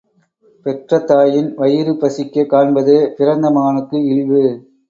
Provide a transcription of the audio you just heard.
பெற்ற தாயின் வயிறு பசிக்கக் காண்பது பிறந்த மகனுக்கு இழிவு.